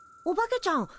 おばけちゃん